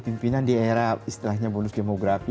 pimpinan di era istilahnya bonus demografi